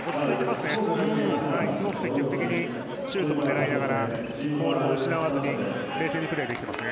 すごく積極的にシュートも狙いながらボールを失わずに冷静にプレーできていますね。